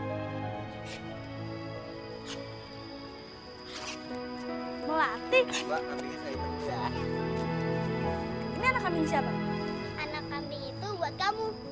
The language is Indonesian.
anak kambing itu buat kamu